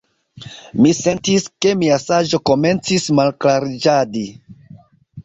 Mi sentis, ke mia saĝo komencis malklariĝadi.